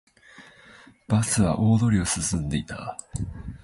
バスは大通りを進んでいた